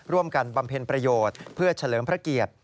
บำเพ็ญประโยชน์เพื่อเฉลิมพระเกียรติ